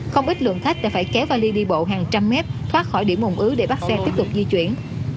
không ít lượng khách đã phải kéo vali đi bộ hàng trăm mét thoát khỏi điểm ủng ứ để bắt xe tiếp tục di chuyển